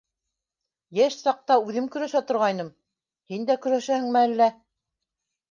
Йәш саҡта үҙем көрәшә торғайным, һин дә көрәшәһеңме әллә?